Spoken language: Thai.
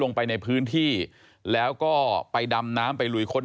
ทุกวันนี้ก็ยังทำหน้าที่อยู่